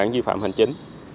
vi phạm hành chính